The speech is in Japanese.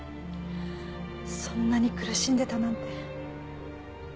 そんなに苦しんでいたなんて。